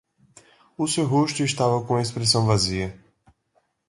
O seu rosto estava com uma expressão vazia.